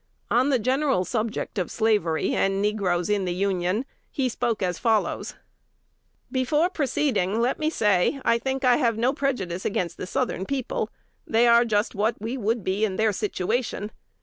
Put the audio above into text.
On the general subject of slavery and negroes in the Union, he spoke as follows: "Before proceeding, let me say, I think I have no prejudice against the Southern people: they are just what we would be in their situation.